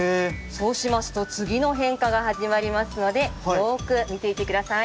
そうしますと次の変化が始まりますのでよく見ていてください。